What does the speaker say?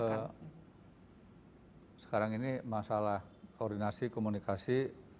sekarang ini masalah koordinasi komunikasi